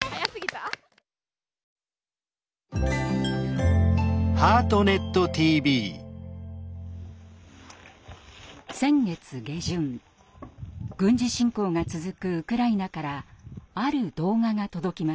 軍事侵攻が続くウクライナからある動画が届きました。